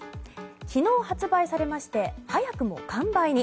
昨日、発売されまして早くも完売に。